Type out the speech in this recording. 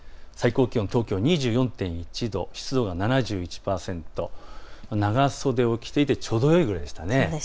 東京２４．１度、湿度が７１％、長袖を着ていて、ちょうどよいくらいでしたね。